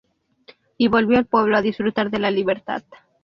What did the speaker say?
Y volvió el pueblo a disfrutar de la libertad.